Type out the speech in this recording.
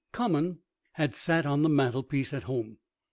Common had sat on the mantelpiece at home.